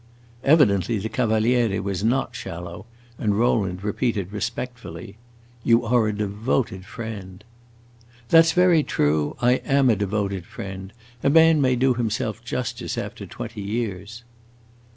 Evidently the Cavaliere was not shallow, and Rowland repeated respectfully, "You are a devoted friend." "That 's very true. I am a devoted friend. A man may do himself justice, after twenty years!"